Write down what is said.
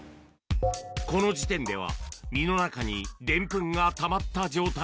この時点では、実の中にデンプンがたまった状態。